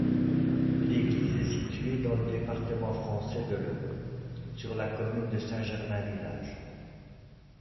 L'église est située dans le département français de l'Eure, sur la commune de Saint-Germain-Village.